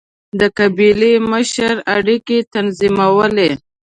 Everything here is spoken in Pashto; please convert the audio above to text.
د قبیلې مشر اړیکې تنظیمولې.